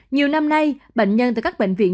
nhiều năm nay bệnh nhân từ các bệnh viện